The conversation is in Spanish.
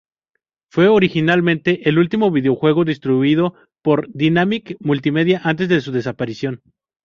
Fue originalmente el último videojuego distribuido por Dinamic Multimedia antes de su desaparición.